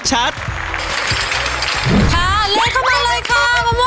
กรอบอร่อยโชว์